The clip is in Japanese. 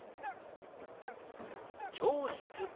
「教室」。